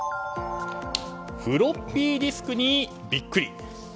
フロッピーディスクにビックリ。